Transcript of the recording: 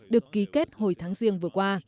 được ký kết hồi tháng riêng vừa qua